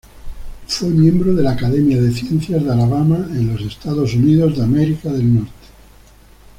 Fue miembro de la Academia de Ciencias de Alabama, en los Estados Unidos.